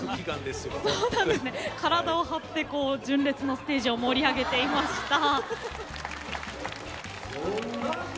体を張って純烈のステージを盛り上げていました。